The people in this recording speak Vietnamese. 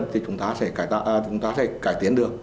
và chúng ta sẽ cải tiến được